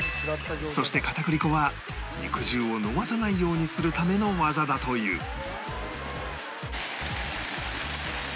そして片栗粉は肉汁を逃さないようにするための技だという